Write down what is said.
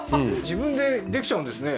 自分でできちゃうんですね